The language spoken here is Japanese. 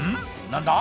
何だ？